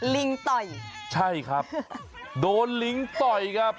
ลิงต่อยใช่ครับโดนลิงต่อยครับ